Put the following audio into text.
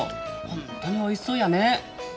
本当においしそうやね。